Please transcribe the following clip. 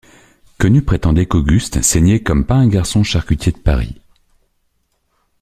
Quenu prétendait qu’Auguste saignait comme pas un garçon charcutier de Paris.